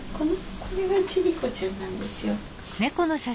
これがチビコちゃんなんですよ。